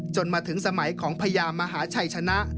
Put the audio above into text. มาถึงสมัยของพญามหาชัยชนะ